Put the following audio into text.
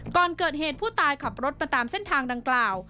ก่อนเกิดเหตุผู้ตายขับรถมาตามเส้นทางดังกล่าว